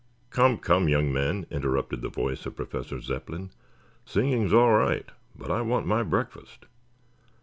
"Come, come, young men," interrupted the voice of Professor Zepplin. "Singing is all right, but I want my breakfast."